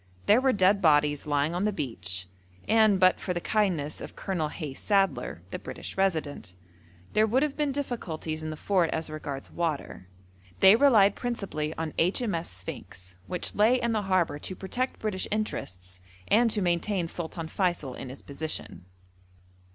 There were dead bodies lying on the beach, and but for the kindness of Colonel Hayes Sadler, the British Resident, there would have been difficulties in the fort as regards water. They relied principally on H.M.S. Sphinx, which lay in the harbour to protect British interests, and to maintain Sultan Feysul in his position.